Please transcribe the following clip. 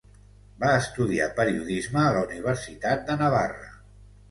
Va estudiar periodisme a la Universitat de Navarra.